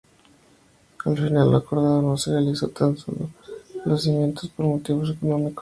Al final lo acordado no se realizó, tan sólo los cimientos, por motivos económicos.